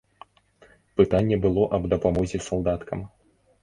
Пытанне было аб дапамозе салдаткам.